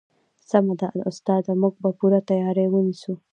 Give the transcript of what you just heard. سمه ده استاده موږ به پوره تیاری ونیسو